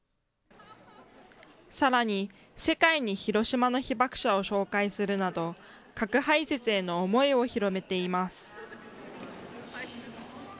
さらに世界に広島の被爆者を紹介するなど、核廃絶への思いを広めています。